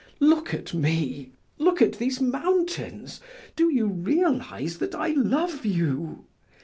Look at me, look at these mountains; do you realize that I love you?